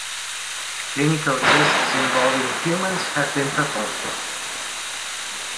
Clinical tests involving humans have been performed.